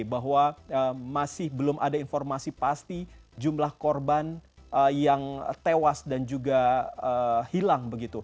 bahwa masih belum ada informasi pasti jumlah korban yang tewas dan juga hilang begitu